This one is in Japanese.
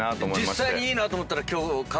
実際にいいなと思ったら。